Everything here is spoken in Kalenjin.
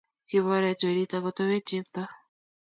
Kiboret werit ak ko towet chepto